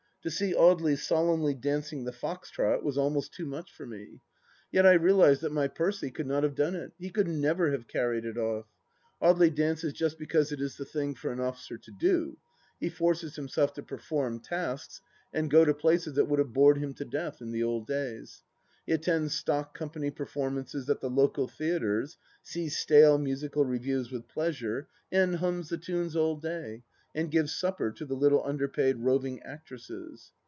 To see Audely solemnly dancing the fox trot was almost too much for me ! Yet I realized that my Percy could not have done it ; he could never have carried it off. Audely dances just because it is the thing for an officer to do; he forces himself to perform tasks and go to places that would have bored him to death in the old days ! He attends stock company performances at the local theatres, sees stale musical revues with pleasure, and hums the tunes all day, and gives suppers to the little underpaid roving actresses.